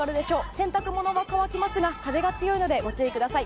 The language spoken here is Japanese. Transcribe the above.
洗濯物は乾きますが風が強いのでご注意ください。